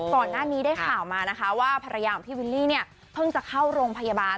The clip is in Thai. ก่อนหน้านี้ได้ข่าวมานะคะว่าภรรยาของพี่วิลลี่เนี่ยเพิ่งจะเข้าโรงพยาบาล